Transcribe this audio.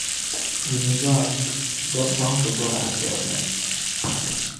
Yumzaa, gari chaŋ ti boli a biεli na.